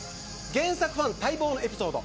原作ファン待望のエピソード。